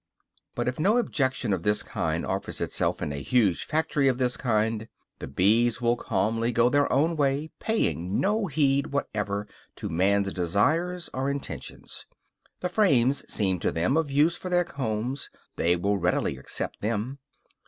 But if no objection of this kind offers itself in a huge factory of this kind, the bees will calmly go their own way, paying no heed whatever to man's desires or intentions; the frames seem to them of use for their combs, they will readily accept them.